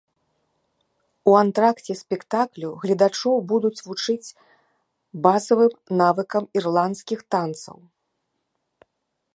У антракце спектаклю гледачоў будуць вучыць базавым навыкам ірландскіх танцаў.